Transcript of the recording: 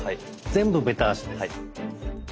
全部ベタ足です。